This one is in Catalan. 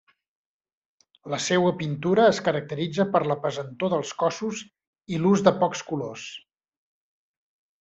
La seua pintura es caracteritza per la pesantor dels cossos i l'ús de pocs colors.